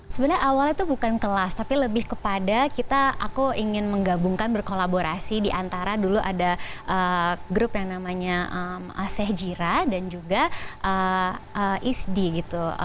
sebenarnya awalnya itu bukan kelas tapi lebih kepada kita aku ingin menggabungkan berkolaborasi diantara dulu ada grup yang namanya aseh jira dan juga isdi gitu